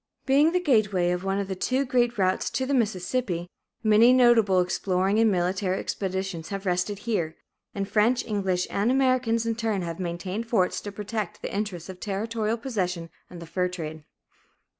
Being the gateway of one of the two great routes to the Mississippi, many notable exploring and military expeditions have rested here; and French, English, and Americans in turn have maintained forts to protect the interests of territorial possession and the fur trade.